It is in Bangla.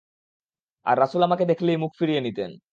আর রাসূল আমাকে দেখলেই মুখ ফিরিয়ে নিতেন।